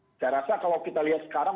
saya rasa kalau kita lihat sekarang